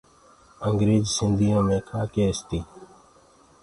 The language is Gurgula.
انٚگريج سنٚڌيو مي ڪآ ڪيس تيٚ